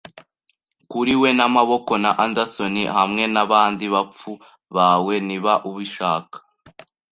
kuri we, n'amaboko, na Anderson, hamwe nabandi bapfu bawe. Niba ubishaka